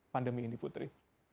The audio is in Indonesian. pandemi ini putri